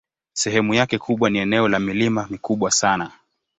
Sehemu yake kubwa ni eneo la milima mikubwa sana.